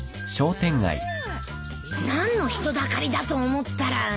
何の人だかりだと思ったら。